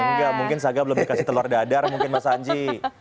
enggak mungkin saga belum dikasih telur dadar mungkin mas anji